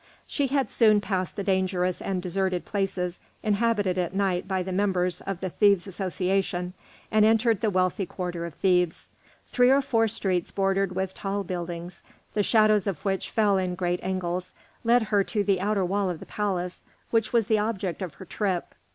She had soon passed the dangerous and deserted places inhabited at night by the members of the thieves' association, and entered the wealthy quarter of Thebes. Three or four streets bordered with tall buildings, the shadows of which fell in great angles, led her to the outer wall of the palace, which was the object of her trip.